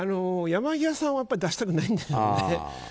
山際さんは出したくないんでしょうね。